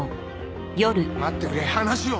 待ってくれ話を。